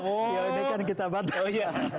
ini kan kita batas